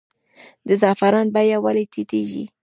د زعفرانو بیه ولې ټیټیږي؟